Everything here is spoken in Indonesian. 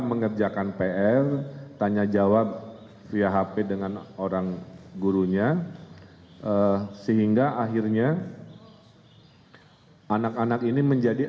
mengerjakan pr tanya jawab via hp dengan orang gurunya sehingga akhirnya anak anak ini menjadi